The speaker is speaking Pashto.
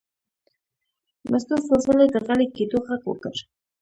مستو څو ځلې د غلي کېدو غږ وکړ.